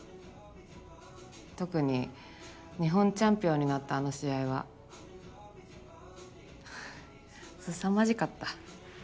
特に日本チャンピオンになったあの試合はすさまじかった。